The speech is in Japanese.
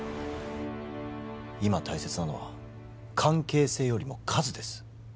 今大切なのは関係性よりも数です